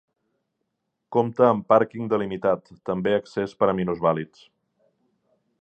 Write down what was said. Compta amb pàrquing delimitat, també accés per a minusvàlids.